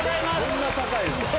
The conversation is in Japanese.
そんな高いの？